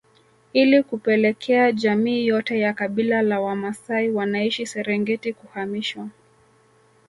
Ili kupelekea jamii yote ya kabila la Wamasai wanaishi Serengeti kuhamishwa